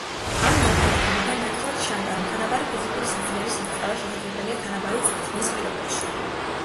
ამ მაგალითებიდან ნათლად ჩანდა, რომ თანაბარი ფიზიკური სიძლიერის მიღწევა შესაძლებელია თანაბარი წვრთნის პირობებში.